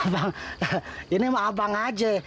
bang ini mah abang aja